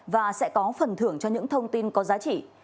và sẽ có phần thưởng cho những thông tin có giá trị